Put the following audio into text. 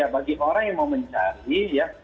bagi orang yang mau mencari ya